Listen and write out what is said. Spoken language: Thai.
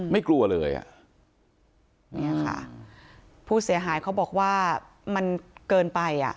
ไม่กลัวเลยอ่ะเนี่ยค่ะผู้เสียหายเขาบอกว่ามันเกินไปอ่ะ